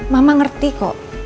mama ngerti kok